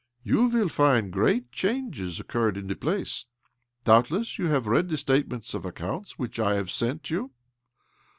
" You will find great changes occurred in the place. Doubtless you have read the statements of accounts which I have sent you?"